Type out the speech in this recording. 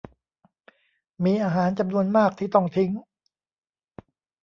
มีอาหารจำนวนมากที่ต้องทิ้ง